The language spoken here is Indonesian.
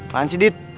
mana sih dit